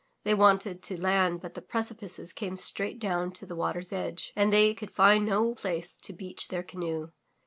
They wanted to land but the precipices came straight down to the water's edge and they could find no place to beach their canoe.